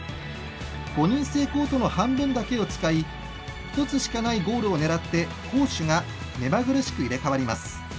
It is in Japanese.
５人制コートの半分だけを使い１つしかないゴールを使って攻守が目まぐるしく入れ代わります。